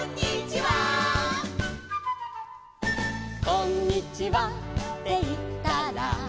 「こんにちはっていったら」